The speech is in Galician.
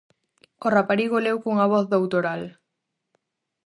O raparigo leu cunha voz doutoral: